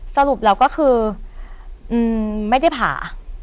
สรุปแล้วก็คือไม่ได้ผ่า